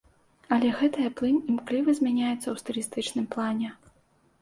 Але гэтая плынь імкліва змяняецца ў стылістычным плане.